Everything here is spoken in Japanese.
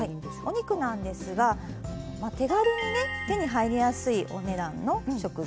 お肉なんですが手軽にね手に入りやすいお値段の食材。